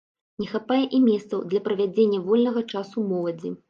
Не хапае і месцаў для правядзення вольнага часу моладзі.